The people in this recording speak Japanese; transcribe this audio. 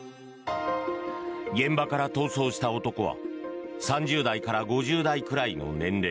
現場から逃走した男は３０代から５０代くらいの年齢。